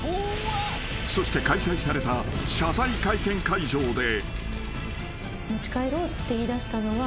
［そして開催された謝罪会見会場で］